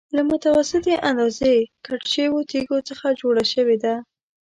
له متوسطې اندازې کټ شویو تېږو څخه جوړه شوې ده.